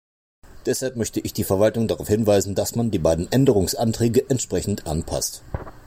Deshalb möchte ich die Verwaltung darauf hinweisen, dass man die beiden Änderungsanträge entsprechend anpasst.